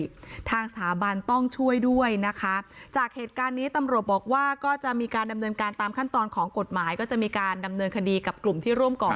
ทางสถาบันต้องช่วยด้วยนะคะจากเหตุการณ์นี้ตำรวจบอกว่าก็จะมีการดำเนินการตามขั้นตอนของกฎหมายก็จะมีการดำเนินคดีกับกลุ่มที่ร่วมก่อน